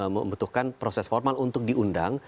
membutuhkan proses formal untuk diundang